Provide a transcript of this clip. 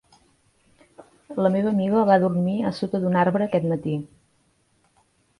La meva amiga va dormir a sota d'un arbre aquest matí.